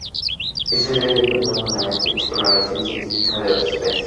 Estos viajes contaban con la estrecha colaboración científica de otros países.